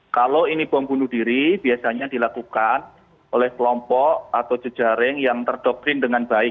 kalau ini bom bunuh diri biasanya dilakukan oleh kelompok atau jejaring yang terdoktrin dengan baik